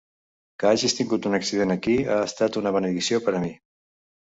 Que hagis tingut un accident aquí ha estat una benedicció per a mi.